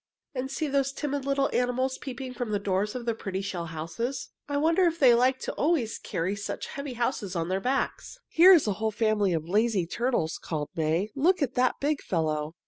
"And see those timid little animals peeping from the doors of their pretty shell houses. I wonder if they like always to carry about such heavy houses on their backs." "Here is a whole family of lazy turtles," called May. "Look at that big fellow!